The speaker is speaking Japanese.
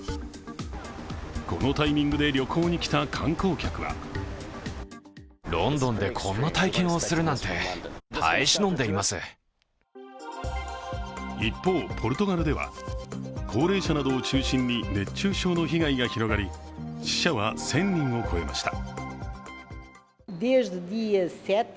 このタイミングで旅行に来た観光客は一方、ポルトガルでは高齢者などを中心に熱中症の被害が広がり死者は１０００人を超えました。